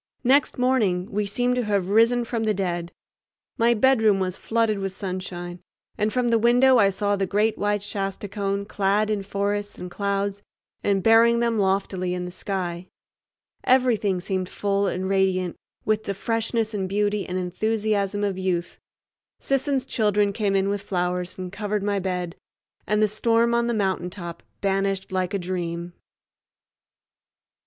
Next morning we seemed to have risen from the dead. My bedroom was flooded with sunshine, and from the window I saw the great white Shasta cone clad in forests and clouds and bearing them loftily in the sky. Everything seemed full and radiant with the freshness and beauty and enthusiasm of youth. Sisson's children came in with flowers and covered my bed, and the storm on the mountaintop banished like a dream.